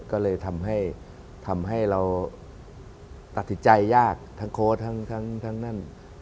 ก็เลยทำให้เราตัดสินใจยากทั้งโค้ดทั้งนั่น